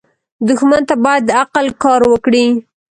دښمن ته باید عقل کار وکړې